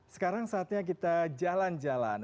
sekarang saatnya kita jalan jalan